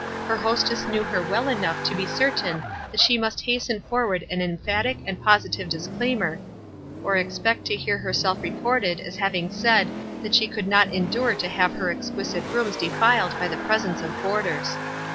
Her hostess knew her well enough to be certain that she must hasten for ward an emphatic and positive disclaimer, or expect to hear herself reported as having said WISE AND OTHERWISE. 167 that she could not endure to have her exquisite rooms defiled by the presence of boarders.